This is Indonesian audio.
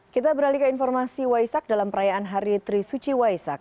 kita beralih ke informasi waisak dalam perayaan hari trisuci waisak